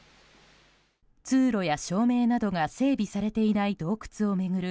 通路や照明などが整備されていない洞窟を巡る